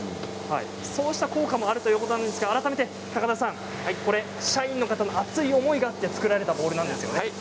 そうした効果もあるということですが、高田さん社員の方の熱い思いがあって作られたボールなんですね。